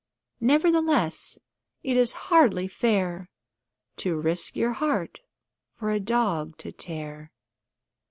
Nevertheless it is hardly fair To risk your heart for a dog to tear.